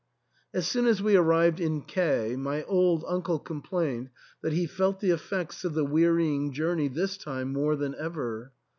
As soon as we arrived in K my old uncle com plained that he felt the effects of the wearying journey this time more than ever.